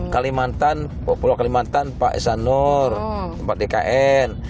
kalimantan pulau kalimantan pak islanur pak ikn